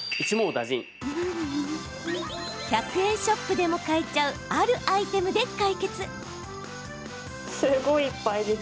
１００円ショップでも買えちゃうあるアイテムで解決。